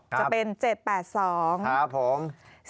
จะเป็น๗๘๒ครับผม